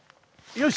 よし！